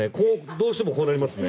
どうしてもこうなりますね。